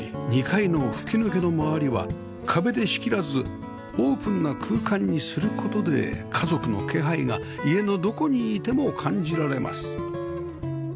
２階の吹き抜けの周りは壁で仕切らずオープンな空間にする事で家族の気配が家のどこにいても感じられます